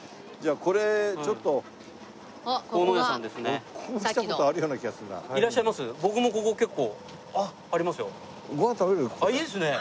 ああいいですね！